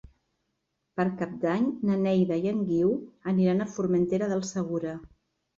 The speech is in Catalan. Per Cap d'Any na Neida i en Guiu aniran a Formentera del Segura.